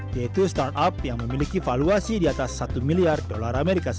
yaitu startup yang memiliki valuasi di atas satu miliar dolar as